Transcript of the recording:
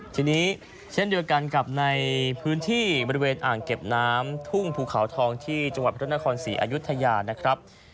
ทีนี้เช่นเดียวกันกับในพื้นที่บริเวณอ่างเก็บน้ำทุ่งภูเขาทองที่จังหวัดพระนครศรีอายุทยานะครับ